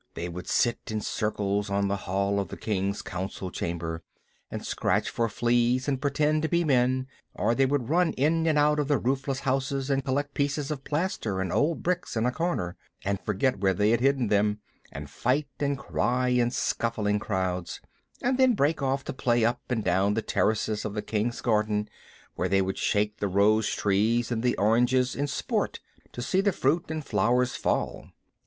They would sit in circles on the hall of the king's council chamber, and scratch for fleas and pretend to be men; or they would run in and out of the roofless houses and collect pieces of plaster and old bricks in a corner, and forget where they had hidden them, and fight and cry in scuffling crowds, and then break off to play up and down the terraces of the king's garden, where they would shake the rose trees and the oranges in sport to see the fruit and flowers fall.